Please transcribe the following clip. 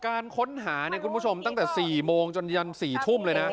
การค้นหาเนี่ยคุณผู้ชมตั้งแต่๔โมงจนยัน๔ทุ่มเลยนะ